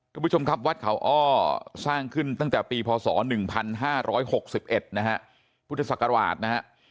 คุณผู้ชมครับวัดเขาอ้อสร้างขึ้นตั้งแต่ปีพศ๑๕๖๑นะฮะพุทธศักราชนะฮะ